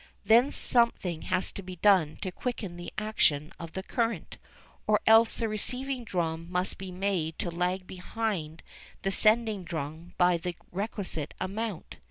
Then something has to be done to quicken the action of the current, or else the receiving drum must be made to lag behind the sending drum by the requisite amount.